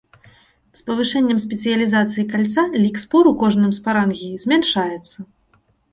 З павышэннем спецыялізацыі кальца лік спор у кожным спарангіі змяншаецца.